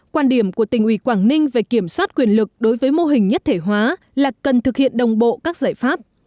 quan điểm của tỉnh ủy quảng ninh về kiểm soát quyền lực đối với mô hình nhất thể hóa là cần thực hiện đồng bộ các giải pháp